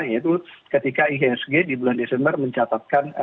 yaitu ketika ihsg di bulan desember mencatatkan